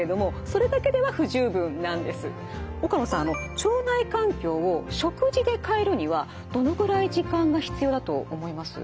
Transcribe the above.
腸内環境を食事で変えるにはどのくらい時間が必要だと思います？